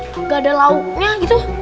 gak ada lauknya gitu